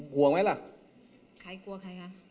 ห่วงไหมล่ะใครกลัวใครคะ